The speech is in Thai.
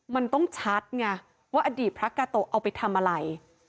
มันต้องชัดไงว่าอดีตพระกาโตะเอาไปทำอะไร